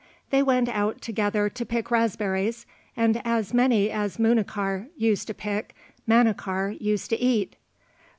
They went out together to pick raspberries, and as many as Munachar used to pick Manachar used to eat.